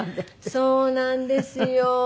そうなんですよ。